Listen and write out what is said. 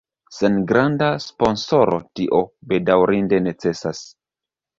Sen granda sponsoro tio bedaŭrinde necesas.